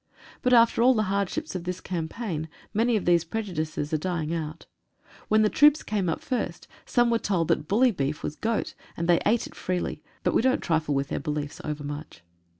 But after all the hardships of this campaign, many of these pre judices are dying out. When the troops came up first 146 AN INDIAN CHIEF. some were told that bully beef was goat, and they ate it freely, but we don't trifle with their beliefs overmuch.